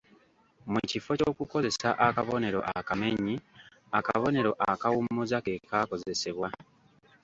Mu kifo ky’okukozesa akabonero akamenyi, akabonero akawummuza ke kaakozesebwa.